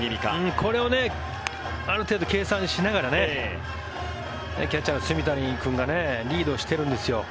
これをある程度、計算しながらキャッチャーの炭谷君がリードしているんですよ。